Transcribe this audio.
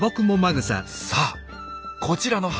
さあこちらの花